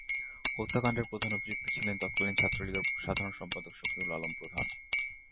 হত্যাকাণ্ডের প্রধান অভিযুক্ত ছিলেন তৎকালীন ছাত্রলীগের সাধারণ সম্পাদক শফিউল আলম প্রধান।